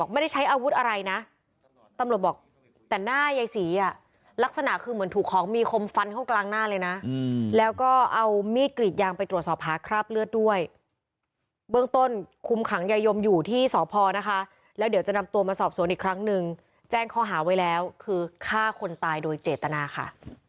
มีดกรีดยางไปตรวจสอบภาคคราบเลือดด้วยเบื้องต้นคุมขังยายยมอยู่ที่สพนะคะแล้วเดี๋ยวจะนำตัวมาสอบสวนอีกครั้งนึงแจ้งข้อหาไว้แล้วคือฆ่าคนตายโดยเจตนาค่ะ